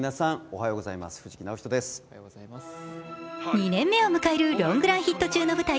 ２年目を迎えるロングランヒット中の舞台